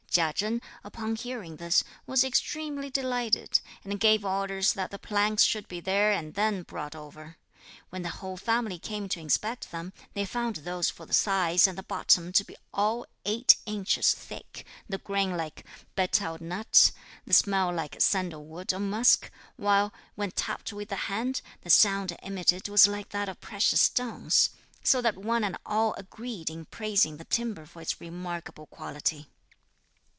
Chia Chen, upon hearing this, was extremely delighted, and gave orders that the planks should be there and then brought over. When the whole family came to inspect them, they found those for the sides and the bottom to be all eight inches thick, the grain like betel nut, the smell like sandal wood or musk, while, when tapped with the hand, the sound emitted was like that of precious stones; so that one and all agreed in praising the timber for its remarkable quality.